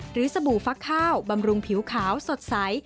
สบู่ฟักข้าวบำรุงผิวขาวสดใส